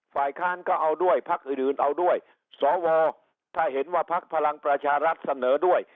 ฝ่ายค้านก็เอาด้วยพักอื่นเอาด้วยสวถ้าเห็นว่าพักพลังประชารัฐเสนอด้วย